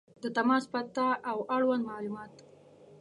• د تماس پته او اړوند معلومات